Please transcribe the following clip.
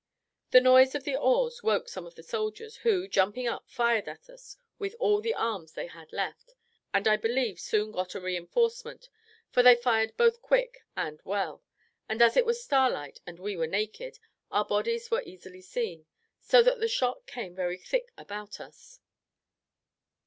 The noise of the oars woke some of the soldiers, who, jumping up, fired at us with all the arms they had left; and I believe soon got a reinforcement, for they fired both quick and well; and, as it was starlight and we were naked, our bodies were easily seen, so that the shot came very thick about us.